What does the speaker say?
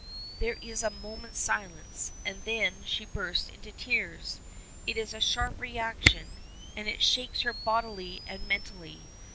There is a moment's silence, and then she bursts into tears. It is a sharp reaction, and it shakes her bodily and mentally.